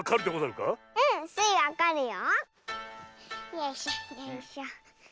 よいしょよいしょ。